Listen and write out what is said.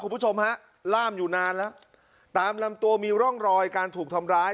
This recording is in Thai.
คุณผู้ชมฮะล่ามอยู่นานแล้วตามลำตัวมีร่องรอยการถูกทำร้าย